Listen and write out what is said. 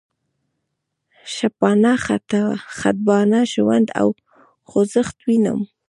شپانه، خټبانه، ژوند او خوځښت وینم.